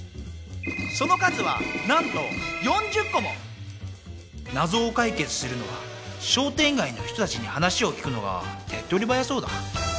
その数は何と４０個も謎を解決するのは商店街の人達に話を聞くのが手っ取り早そうだ